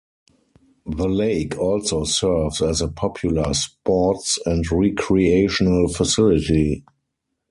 The lake also serves as a popular sports and recreational facility.